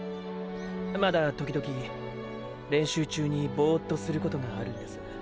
まだ時々練習中にボーッとすることがあるんです。